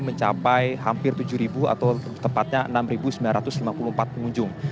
mencapai hampir tujuh atau tepatnya enam sembilan ratus lima puluh empat pengunjung